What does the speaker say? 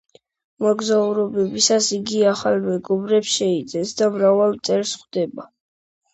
მოგზაურობებისას იგი ახალ მეგობრებს შეიძენს და მრავალ მტერს ხვდება.